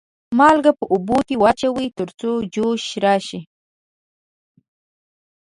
مالګه په اوبو کې واچوئ تر څو جوش راشي.